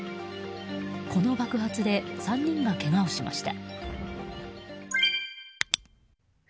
この爆発で３人がけがをしました。